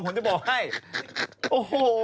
ผมจะบอกให้โอ้โห